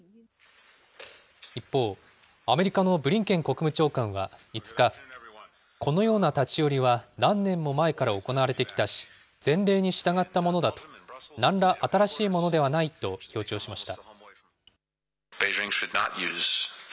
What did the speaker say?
一方、アメリカのブリンケン国務長官は５日、このような立ち寄りは何年も前から行われてきたし、前例に従ったものだと、なんら新しいものではないと強調しました。